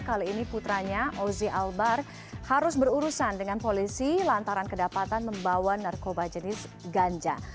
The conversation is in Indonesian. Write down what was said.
kali ini putranya ozi albar harus berurusan dengan polisi lantaran kedapatan membawa narkoba jenis ganja